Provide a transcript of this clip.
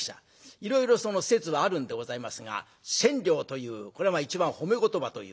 いろいろ説はあるんでございますが千両というこれは一番褒め言葉というわけで。